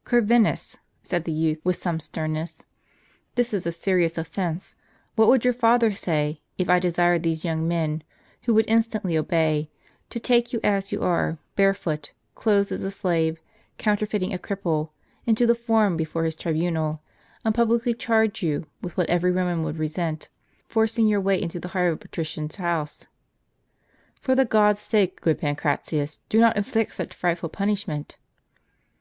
" Corvinus," said the youth, with some sternness, "this is a serious offence. What would your father say, if I desired these young men, who would instantly obey, to take you as you are, barefoot, clothed as a slave, counterfeiting a cripple, into the Forum before his tribunal, and publicly charge you with what every Roman would resent, forcing your way into the heart of a patrician's house ?"" For the gods' sakes, good Pancratius, do not inflict such frightful punishment."